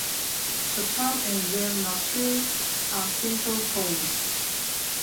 The front and rear nostrils are simple holes.